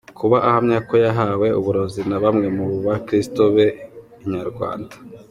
Kuba ahamya ko yahawe uburozi na bamwe mu bakristo be, Inyarwanda.